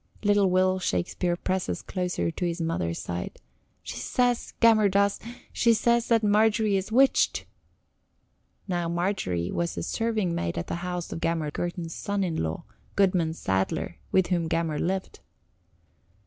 Little Will Shakespeare presses closer to his mother's side. "She says, Gammer does, she says that Margery is witched." Now Margery was the serving maid at the house of Gammer Gurton's son in law, Goodman Sadler, with whom Gammer lived.